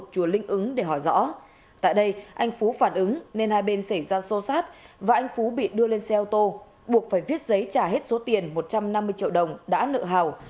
tại đây anh phú phản ứng nên hai bên xảy ra xô xát và anh phú bị đưa lên xe ô tô buộc phải viết giấy trả hết số tiền một trăm năm mươi triệu đồng đã nợ hào